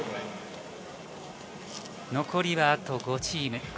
残りあと５チーム。